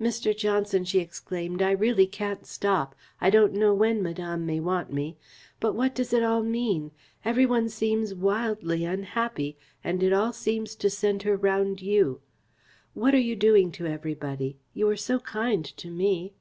"Mr. Johnson," she exclaimed, "I really can't stop. I don't know when Madame may want me. But what does it all mean? Every one seems wildly unhappy, and it all seems to centre round you. What are you doing to everybody? You were so kind to me."